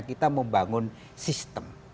kita membangun sistem